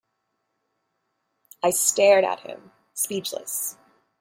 I stared at him, speechless.